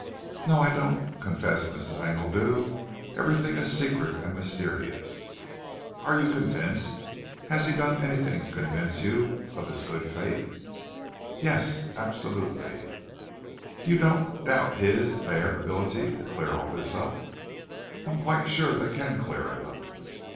"No I don't," confessed Mrs. Engledew. "Everything is secret and mysterious." "Are you convinced has he done anything to convince you of his good faith?" "Yes absolutely!" "You don't doubt his their ability to clear all this up?" "I'm quite sure they can clear it up."